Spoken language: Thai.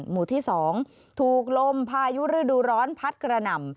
หมู่ที่๒ถูกลมพายุฤดูร้อนพัดกระหน่ำ